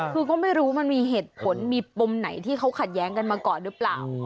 คือก็ไม่รู้มันมีเหตุผลมีปมไหนที่เขาขัดแย้งกันมาก่อนหรือเปล่า